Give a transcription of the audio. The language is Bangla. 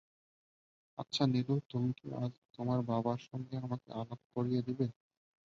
আচ্ছা নীলু, তুমি কি আজ তোমার বাবার সঙ্গে আমাকে আলাপ করিয়ে দেবে?